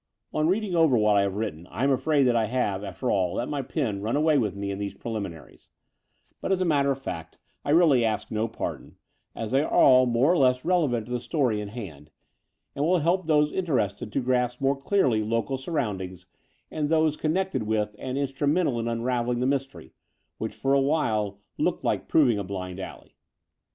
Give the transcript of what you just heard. On reading over what I have written I am afraid that I have, after all, let my pen run away with me in these preliminaries; but, as a matter of fact, I really ask no pardon, as they are all more or less The Brighton Road 49 relevant to the story in hand, and will help those interested to grasp more clearly local stirroundings and those connected with and instrumental in un ravelling the mystery, which, for a while, looked like proving a blind alley.